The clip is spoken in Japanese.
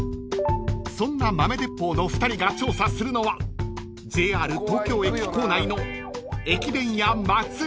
［そんな豆鉄砲の２人が調査するのはＪＲ東京駅構内の］